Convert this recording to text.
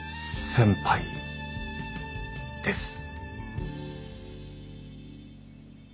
先輩です。